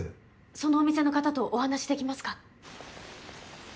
その店の方とお話しできますか？